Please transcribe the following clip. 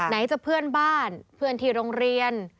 จะเพื่อนบ้านเพื่อนที่โรงเรียน